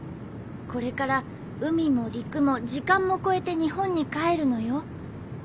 これから海も陸も時間も越えて日本に帰るのよ。